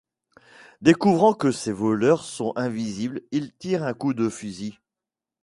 Découvrant que ses voleurs sont invisibles, il tire un coup de fusil.